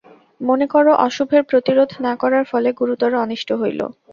মনে কর, অশুভের প্রতিরোধ না করার ফলে গুরুতর অনিষ্ট হইল।